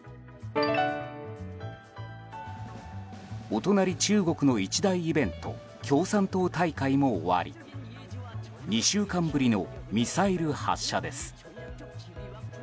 お隣、中国の一大イベント共産党大会も終わり２週間ぶりのミサイル発射です。